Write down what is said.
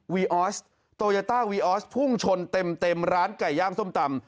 ออสโตยาต้าวีออสพุ่งชนเต็มร้านไก่ย่างส้มตำ